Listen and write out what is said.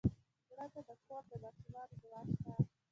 مړه ته د کور د ماشومانو دعا شته